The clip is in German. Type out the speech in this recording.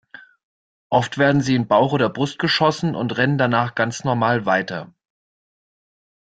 Oft werden sie in Bauch oder Brust geschossen und rennen danach ganz normal weiter.